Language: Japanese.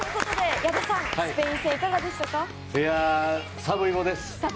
サブイボです。